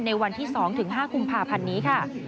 ในวันที่๒ถึง๕กุมภาพันธ์นี้ค่ะ